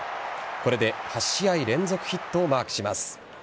これで８試合連続ヒットをマークします。